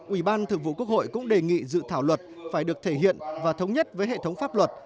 ủy ban thượng vụ quốc hội cũng đề nghị dự thảo luật phải được thể hiện và thống nhất với hệ thống pháp luật